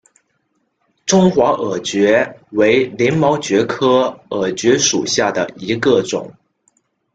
中华耳蕨为鳞毛蕨科耳蕨属下的一个种。